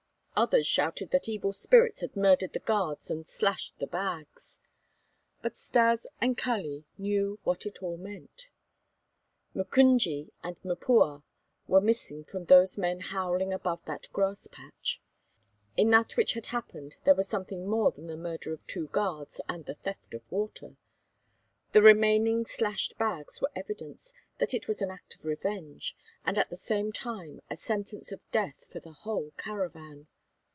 Others shouted that evil spirits had murdered the guards and slashed the bags. But Stas and Kali knew what it all meant. M'Kunje and M'Pua were missing from those men howling above that grass patch. In that which had happened there was something more than the murder of two guards and the theft of water. The remaining slashed bags were evidence that it was an act of revenge and at the same time a sentence of death for the whole caravan.